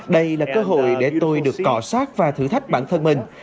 đây là cơ hội để tôi được cọ sát và thử thách bản thân mình